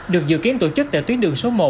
được dự kiến tổ chức tại tuyến đường số một